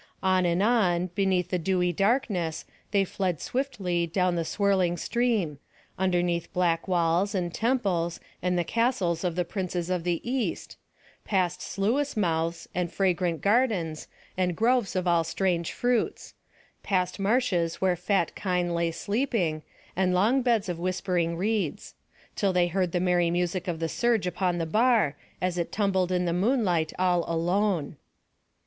On and on, beneath the dewy darkness, they fled swiftly down the swirling stream; underneath black walls, and temples, and the castles of the princes of the East; past sluice mouths, and fragrant gardens, and groves of all strange fruits; past marshes where fat kine lay sleeping, and long beds of whispering reeds; till they heard the merry music of the surge upon the bar, as it tumbled in the moonlight all alone.